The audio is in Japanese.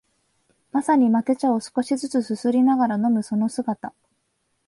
まさにマテ茶を少しづつすすりながら飲むその姿